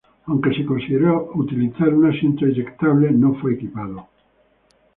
Aunque se consideró utilizar un asiento eyectable no fue equipado.